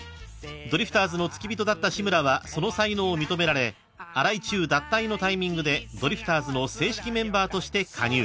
［ドリフターズの付き人だった志村はその才能を認められ荒井注脱退のタイミングでドリフターズの正式メンバーとして加入］